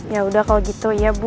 yaudah kalau gitu ya bu